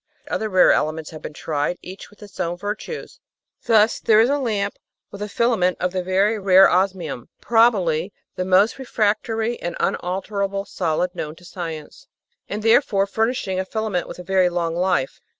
Other rare elements have been tried, each with its own virtues. Thus there is a lamp with a filament of the very rare osmium, "probably the most refractory and unalterable solid known to science," and therefore furnishing a filament with a very long life.